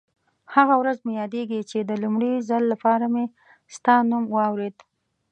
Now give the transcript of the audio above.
هغه ورځ مې یادېږي چې د لومړي ځل لپاره مې ستا نوم واورېد.